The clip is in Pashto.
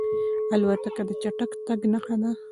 الوتکه د چټک تګ نښه ده.